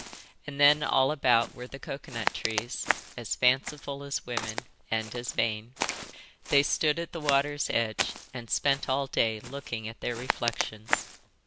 And then all about were the coconut trees, as fanciful as women, and as vain. They stood at the water's edge and spent all day looking at their reflections.